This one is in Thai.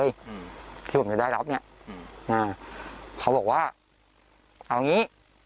หืมที่ผมจะได้รับเนี้ยอ่าเขาบอกว่าเอาอย่างงี้